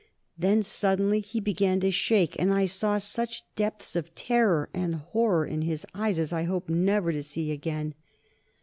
Then, suddenly, he began to shake and I saw such depths of terror and horror in his eyes as I hope never to see again.